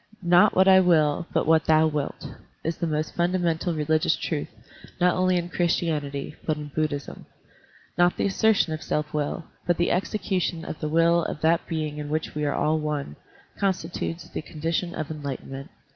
"Not what I will, but what thou wilt," is the most fundamental religious truth, not only in Christianity, but in Buddhism. Not the assertion of self will, but the execution of the will of that being in which we are all one, constitutes the condition of enlightenment.